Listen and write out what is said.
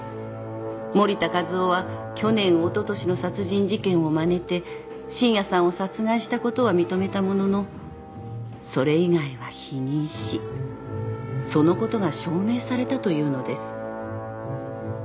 ［盛田和夫は去年おととしの殺人事件をまねて信也さんを殺害したことは認めたもののそれ以外は否認しそのことが証明されたというのです］